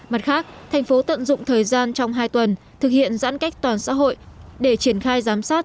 mặt khác thành phố tận dụng thời gian trong hai tuần thực hiện giãn cách toàn xã hội để triển khai giám sát